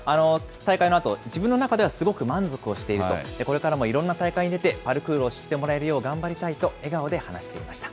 大会のあと、自分の中ではすごく満足をしていると、これからもいろんな大会に出て、パルクールを知ってもらえるよう頑張りたいと笑顔で話していました。